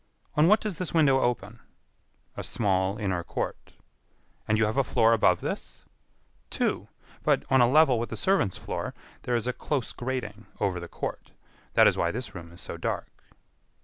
"On what does this window open?" "A small inner court." "And you have a floor above this?" "Two; but, on a level with the servant's floor, there is a close grating over the court. That is why this room is so dark."